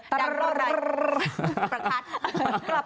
ดังดังดังประทัด